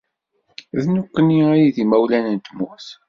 D nekni ay d imawlan n tmurt